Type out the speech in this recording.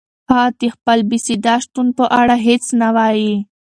هغه د خپل بېصدا شتون په اړه هیڅ نه وایي.